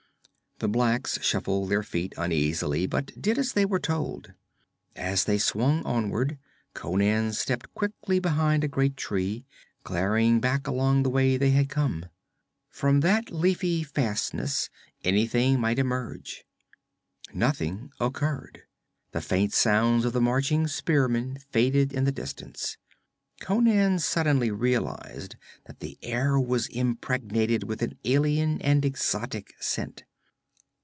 The blacks shuffled their feet uneasily, but did as they were told. As they swung onward, Conan stepped quickly behind a great tree, glaring back along the way they had come. From that leafy fastness anything might emerge. Nothing occurred; the faint sounds of the marching spearmen faded in the distance. Conan suddenly realized that the air was impregnated with an alien and exotic scent.